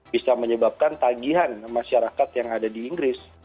bisa menyebabkan tagihan masyarakat yang ada di inggris